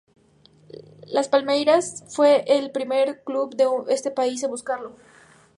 El Palmeiras fue el primer club de ese país en buscarlo.